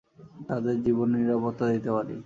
তাদের জীবনের নিরাপত্তা দিতে পারি।